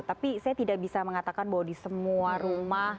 tapi saya tidak bisa mengatakan bahwa di semua rumah